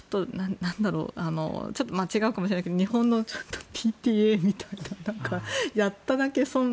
ちょっと間違いかもしれないけど日本のＰＴＡみたいなやっただけ損。